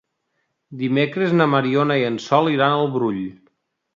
Dimecres na Mariona i en Sol iran al Brull.